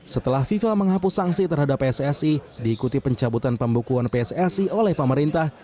setelah fifa menghapus sanksi terhadap pssi diikuti pencabutan pembekuan pssi oleh pemerintah